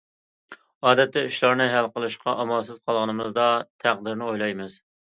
ئادەتتە ئىشلارنى ھەل قىلىشقا ئامالسىز قالغىنىمىزدا تەقدىرنى ئويلايمىز.